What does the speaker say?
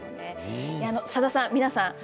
さださん、皆さん